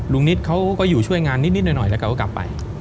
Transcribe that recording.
นิดเขาก็อยู่ช่วยงานนิดหน่อยแล้วเขาก็กลับไป